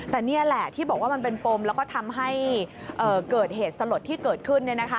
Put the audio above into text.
แต่นี่แหละที่บอกว่ามันเป็นปมแล้วก็ทำให้เกิดเหตุสลดที่เกิดขึ้น